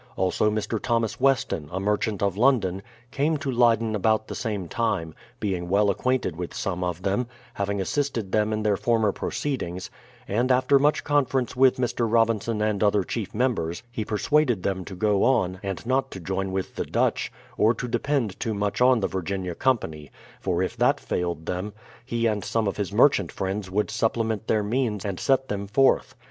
Also, Mr. Thomas Weston, a merchant of London, came to Leyden about the same time, being well acquainted with some of them, having assisted them in their former pro ceedings, — and after much conference with Mr. Robinson and other chief members, he persuaded them to go on, and not to join with the Dutch, or to depend too much on the Virginia Company; for if that failed them, he and some of his merchant friends would supplement their means and set them forth.